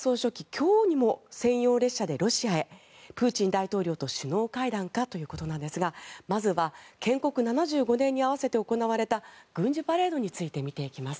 今日にも専用列車でロシアへプーチン大統領と首脳会談かということなんですがまずは建国７５年に合わせて行われた軍事パレードについて見ていきます。